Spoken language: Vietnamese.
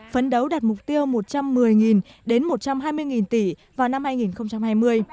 phấn đấu đạt mục tiêu một trăm một mươi đến một trăm hai mươi tỷ vào năm hai nghìn hai mươi